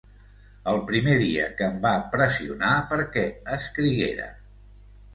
El primer dia que em va pressionar perquè escriguera.